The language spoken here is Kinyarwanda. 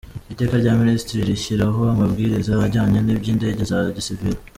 Iteka rya Minisitiri rishyiraho Amabwiriza ajyanye n’Iby’Indege za Gisiviri;